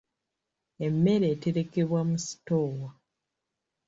Emmere eterekebwa mu sitoowa.